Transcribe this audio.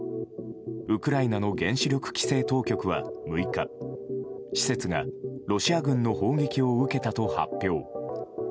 ウクライナの原子力規制当局は、６日施設がロシア軍の砲撃を受けたと発表。